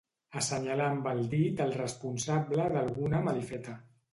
Assenyalar amb el dit el responsable d'alguna malifeta.